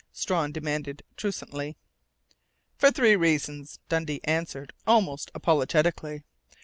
Strawn demanded truculently. "For three reasons," Dundee answered almost apologetically.